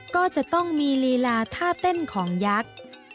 ก็จะต้องมีลีลาท่าเต้นของยักษ์